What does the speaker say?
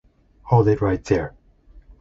Hold It Right There!